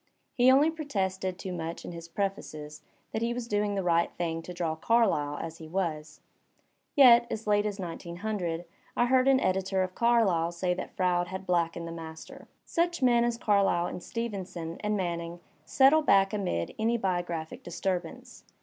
He only protested too much in his prefaces that he was doing the right thing to draw Carlyle as he was. Yet, as late as 1900, 1 heard an editor of Carlyle say that Froude had blackened the Maister. Such men as Carlyle and Stevenson and Manning settle back amid any biographic disturbance.